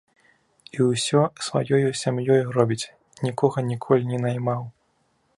І ўсё сваёю сям'ёю робіць, нікога ніколі не наймаў.